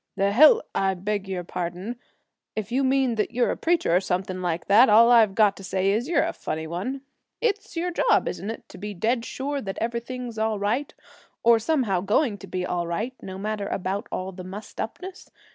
'The hell I beg your pardon. If you mean that you're a preacher or something like that, all I've got to say is, you're a funny one. It's your job, isn't it, to be dead sure that everything's all right, or somehow going to be all right no matter about all the mussed upness?